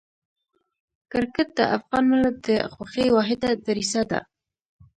کرکټ د افغان ملت د خوښۍ واحده دریڅه ده.